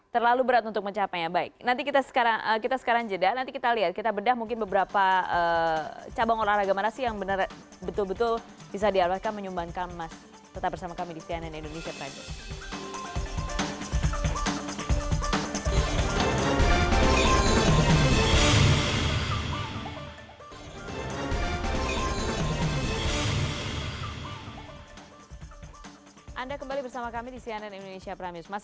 terlalu berat untuk mencapainya baik nanti kita sekarang kita sekarang jeda nanti kita lihat kita bedah mungkin beberapa cabang olahraga marasi yang bener betul betul bisa dialahkan menyumbangkan emas tetap bersama kami di cnn indonesia pramius